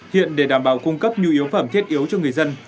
hiện để đảm bảo cung cấp nhu yếu phẩm thiết yếu cho người dân